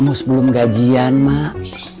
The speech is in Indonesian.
emus belum gajian mak